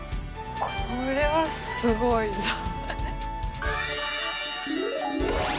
これは、すごいぞ。